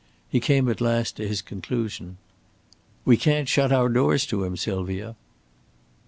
He came at last to his conclusion. "We can't shut our doors to him, Sylvia."